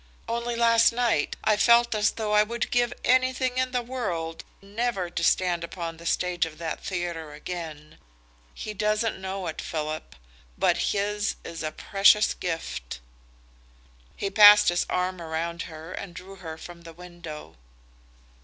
Only last night I felt as though I would give anything in the world never to stand upon the stage of that theatre again. He doesn't know it, Philip, but his is a precious gift." He passed his arm around her and drew her from the window.